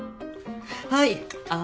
はいあん。